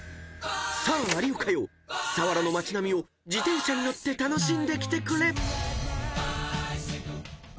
［さあ有岡よ佐原の町並みを自転車に乗って楽しんできてくれ］